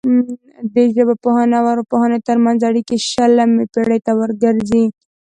د ژبپوهنې او ارواپوهنې ترمنځ اړیکې شلمې پیړۍ ته ورګرځي